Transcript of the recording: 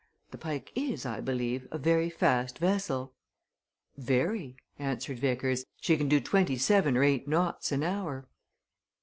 The Pike is, I believe, a very fast vessel?" "Very," answered Vickers. "She can do twenty seven or eight knots an hour."